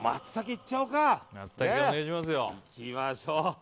いきましょう。